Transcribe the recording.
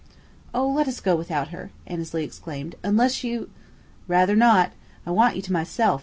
"Oh, let us go without her," Annesley exclaimed, "unless you " "Rather not. I want you to myself.